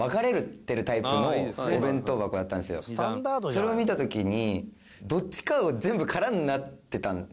それを見た時に。